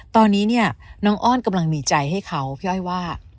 ตอนนี้เนี่ยน้องอ้อนกำลังมีใจให้เขาพี่อ้อยว่า